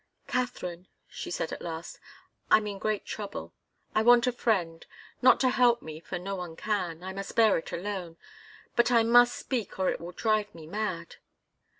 "Katharine," she said at last, "I'm in great trouble. I want a friend not to help me, for no one can I must bear it alone but I must speak, or it will drive me mad."